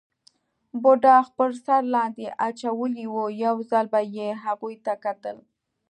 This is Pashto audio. بوډا خپل سر لاندې اچولی وو، یو ځل به یې هغوی ته کتل.